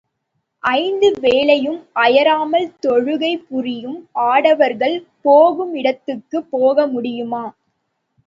ஐந்து வேளையும் அயராமல் தொழுகை புரியும் ஆடவர்கள் போகும் இடத்துக்குப் போக முடியுமா?